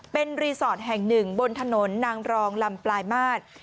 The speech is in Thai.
เป็นรีสอร์ทแห่งหนึ่งบนถนนนางรองลำปลายมาตร